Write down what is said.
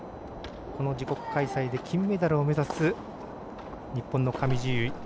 この自国開催で金メダルを目指す日本の上地結衣。